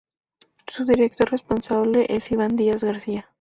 Su director responsable es Iván Díaz García.